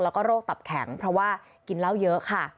แล้วก็โรคตับแข็งเพราะว่ากินเหล้าเยอะค่ะ